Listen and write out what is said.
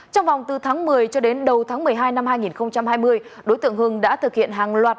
trong vòng từ tháng một mươi cho đến đầu tháng một mươi hai năm hai nghìn hai mươi đối tượng hưng đã thực hiện hàng loạt